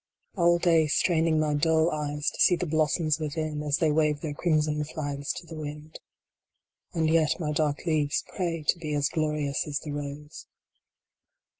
All day straining my dull eyes to see the blossoms within, as they wave their crimson flags to the wind. And yet my dark leaves pray to be as glorious as the rose.